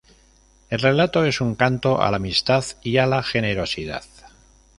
El relato es un canto a la amistad y a la generosidad.